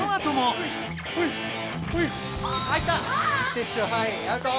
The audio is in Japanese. テッショウはいＯＵＴ！